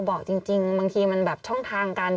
บอกจริงบางทีมันแบบช่องทางกัน